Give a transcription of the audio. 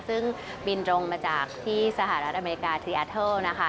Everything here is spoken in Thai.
ซึ่งบินตรงมาจากที่สหรัฐอเมริกาทีอาเทิลนะคะ